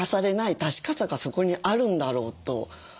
確かさがそこにあるんだろうという。